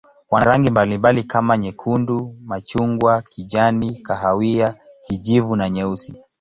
Wana rangi mbalimbali kama nyekundu, machungwa, kijani, kahawia, kijivu na nyeusi.